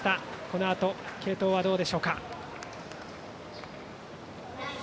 このあと継投はどうでしょうか。